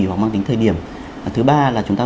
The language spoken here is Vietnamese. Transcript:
hoặc mang tính thời điểm thứ ba là chúng ta